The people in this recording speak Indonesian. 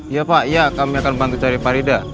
ya pak kami akan bantu cari farida